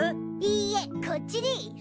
いいえこっちでぃす。